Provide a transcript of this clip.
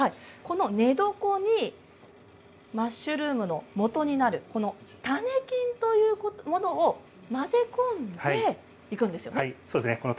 この寝床にマッシュルームのもととなる種菌というものを混ぜ込んでいくんですよね。